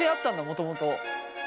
もともと。